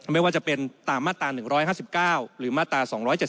ไม่ว่าจะเป็นตามมาตรา๑๕๙หรือมาตรา๒๗๒